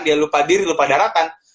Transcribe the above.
dia lupa diri lupa daratan